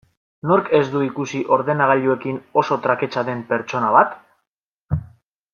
Nork ez du ikusi ordenagailuekin oso traketsa den pertsona bat?